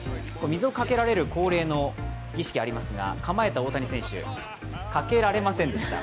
水をかけられる恒例の儀式ありますが、構えた大谷翔平選手、かけられませんでした。